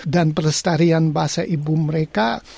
dan pelestarian bahasa ibu mereka